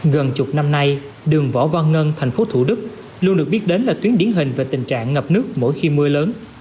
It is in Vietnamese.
gần chục năm nay đường võ văn ngân thành phố thủ đức luôn được biết đến là tuyến điến hình về tình trạng ngập nước mỗi khi mưa lớn